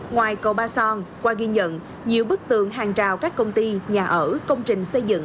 ngoài cầu ba son qua ghi nhận nhiều bức tường hàng trào các công ty nhà ở công trình xây dựng